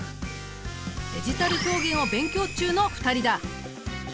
デジタル表現を勉強中の２人だ！